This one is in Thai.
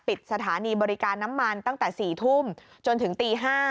สถานีบริการน้ำมันตั้งแต่๔ทุ่มจนถึงตี๕